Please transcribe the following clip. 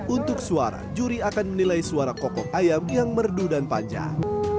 untuk suara juri akan menilai suara kokok ayam yang merdu dan panjang